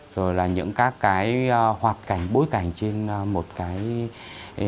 rồi là những các cái hoạt cảnh bối cảnh trên một cái